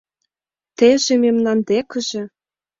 Теже мемнан декыже